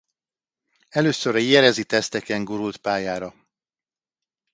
Először a jerezi teszteken gurult pályára.